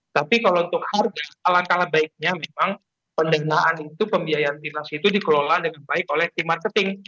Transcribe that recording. tapi kalau untuk harga alangkah baiknya memang pendanaan itu pembiayaan timnas itu dikelola dengan baik oleh tim marketing